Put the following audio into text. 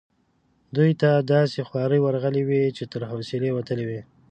دوی ته داسي خوارې ورغلي وې چې تر حوصلې وتلې وي.